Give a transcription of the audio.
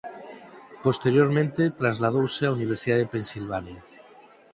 Posteriormente trasladouse á Universidade de Pensilvania.